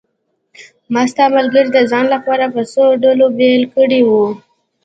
ما ستا ملګري د ځان لپاره په څو ډلو بېل کړي وو.